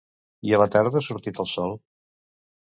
I a la tarda ha sortit el sol